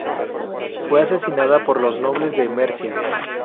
Fue asesinada por los nobles de Mercia.